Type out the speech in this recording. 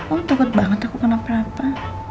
oh takut banget aku kenapa apa